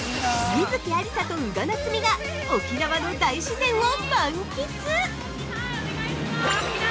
観月ありさと宇賀なつみが沖縄の大自然を満喫！